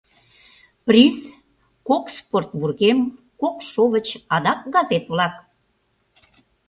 Приз: кок спорт вургем, кок шовыч, адак газет-влак.